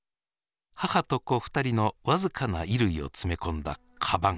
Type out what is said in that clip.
母と子二人の僅かな衣類を詰め込んだカバン。